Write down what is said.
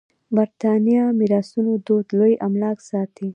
برېتانيه میراثونو دود لوی املاک ساتي.